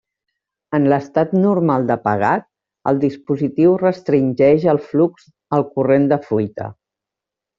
En l'estat normal d'apagat, el dispositiu restringeix el flux el corrent de fuita.